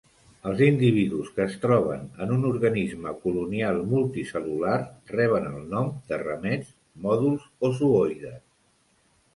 Els individus que es troben en un organisme colonial multicel·lular reben el nom de ramets, mòduls o zooides.